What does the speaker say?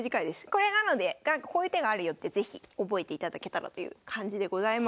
これなのでこういう手があるよって是非覚えていただけたらという感じでございます。